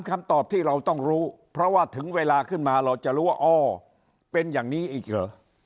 คำตอบที่เราต้องรู้เพราะว่าถึงเวลาขึ้นมาเราจะรู้ว่าอ้อเป็นอย่างนี้อีกเหรอ